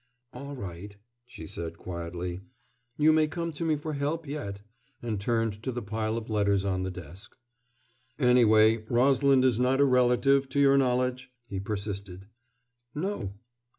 "All right," she said quietly. "You may come to me for help yet" and turned to the pile of letters on the desk. "Anyway, Rosalind is not a relative, to your knowledge?" he persisted. "No."